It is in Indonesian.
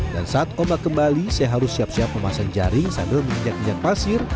dan saat omak kembali saya harus siap siap memasang jaring sambil menginjak injak pasir